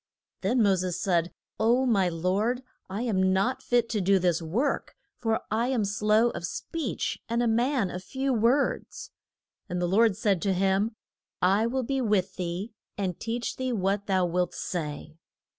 Then Mo ses said, O, my Lord, I am not fit to do this work, for I am slow of speech, and a man of few words. And the Lord said to him, I will be with thee, and teach thee what thou wilt say.